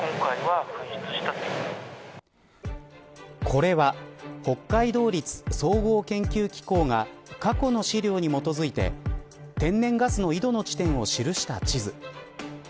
これは北海道立総合研究機構が過去の資料に基づいて天然ガスの井戸の地点を記した地図。